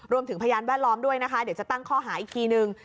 พยานแวดล้อมด้วยนะคะเดี๋ยวจะตั้งข้อหาอีกทีนึง